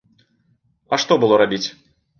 А што было рабіць?